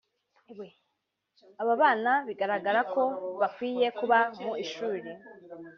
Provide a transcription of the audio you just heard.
Aba bana bigaragara ko bakwiye kuba mu ishuri